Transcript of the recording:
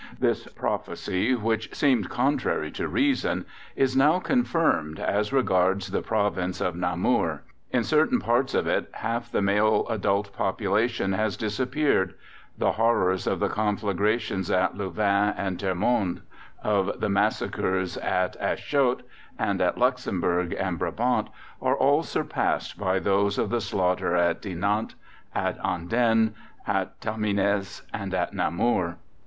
This prophecy, which seemed contrary to reason, is now confirmed as regards the Province of Namur. In certain parts of it half the male adult population has disappeared: the horrors of the conflagrations at Louvain and Termonde, of the massacres at Aerschot and in Luxembourg and Brabant, are all surpassed by those of the slaughter at Dinant, at Andenne, at Tamines, and at Namur.